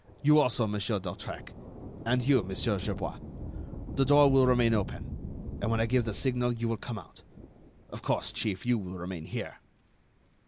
You also, Monsieur d'Hautrec, and you, Monsieur Gerbois. The door will remain open, and when I give the signal, you will come out. Of course, Chief, you will remain here."